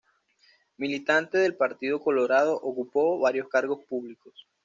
Militante del Partido Colorado, ocupó varios cargos públicos.